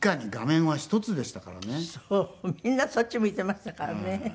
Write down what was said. みんなそっち向いていましたからね。